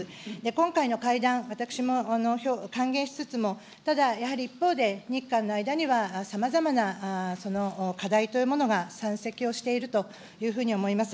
今回の会談、私も歓迎しつつも、ただ、やはり一方で、日韓の間にはさまざまな課題というものが山積をしているというふうに思います。